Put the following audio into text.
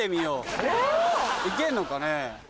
行けんのかね？